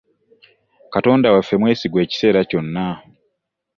Katonda waffe mwesigwa ekiseera kyonna.